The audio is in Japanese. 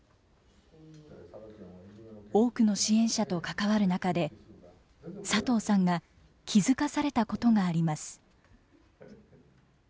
多くの支援者と関わる中で佐藤さんが気付かされたことがあります。